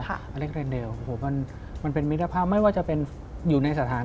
อะไรที่เรียนเดียวมันเป็นมิตรภาพไม่ว่าจะเป็นอยู่ในสถานะไหน